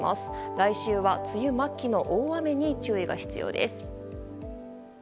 来週は梅雨末期の大雨に注意が必要です。